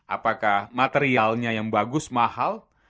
apakah materialnya yang bagus mahal